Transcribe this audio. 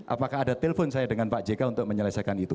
apakah ada telepon saya dengan pak jk untuk menyelesaikan itu